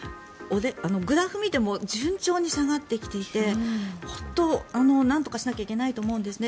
グラフを見ても順調に下がってきていて本当なんとかしなきゃいけないと思うんですね。